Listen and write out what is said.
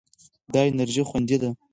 دا انرژي خوندي ده.